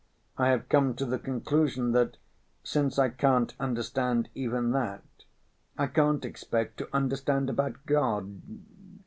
I have come to the conclusion that, since I can't understand even that, I can't expect to understand about God.